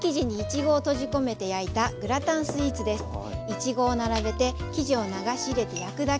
いちごを並べて生地を流し入れて焼くだけ。